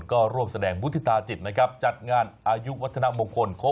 ก็ร่วมแสดงมุฒิตาจิตนะครับจัดงานอายุวัฒนามงคล